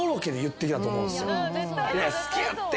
「いや好きやって！」